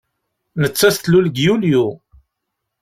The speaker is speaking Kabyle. Nettat tlul deg Yulyu.